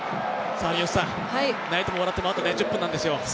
泣いても笑ってもあと１０分なんですよ。